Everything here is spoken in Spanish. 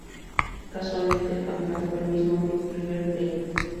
Casualmente el campeón fue el mismo Club River Plate.